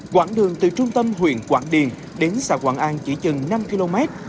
quảng đường từ trung tâm huyện quảng điền đến xã quảng an chỉ chừng năm km